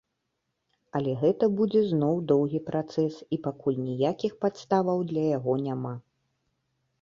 Але гэта будзе зноў доўгі працэс і пакуль ніякіх падставаў для яго няма.